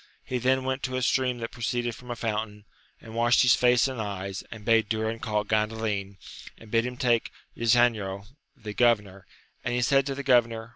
He then went to a stream that proceeded from a fountain, and washed his face and. eyes, and bade Durin call Gandalin, and bid him bring Ysanjo, the governor ; and he said to the governor.